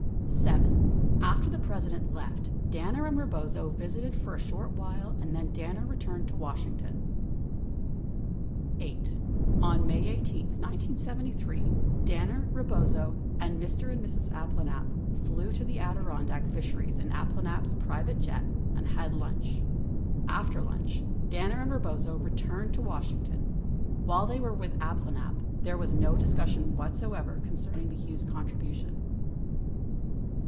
7. After the President left, Danner and Eebozo visited for a short while and then Danner returned to Washington. 8. On May 18, 1973, Danner, Eebozo, and Mr. and Mrs. Abplan alp, fleiv to the Adirondack Fisheries in Abplanalp's private jet and had lunch. After lunch, Danner and Eebozo returned to Washington. While they were with the Abplanalps, there was no discussion whatsoever concerning the Hughes contribution.